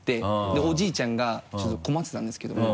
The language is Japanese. でおじいちゃんがちょっと困ってたんですけども。